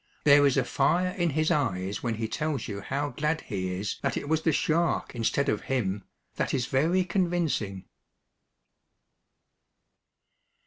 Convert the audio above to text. There is a fire in his eyes when he tells you how glad he is that it was the shark instead of him, that is very convincing.